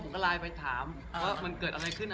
ไลน์ไปถามว่ามันเกิดอะไรขึ้น